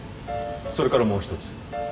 それからもう１つ。